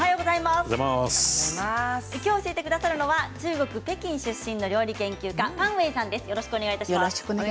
今日、教えてくださるのは中国・北京出身の料理研究家パン・ウェイさんです。